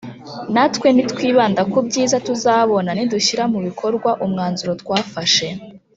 Natwe nitwibanda ku byiza tuzabona nidushyira mu bikorwa umwanzuro twafashe